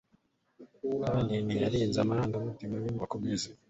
kandi ntiyarinze amarangamutima ye ngo akomeze